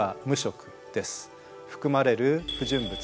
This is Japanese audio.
含まれる不純物